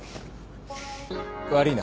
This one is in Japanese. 悪いな。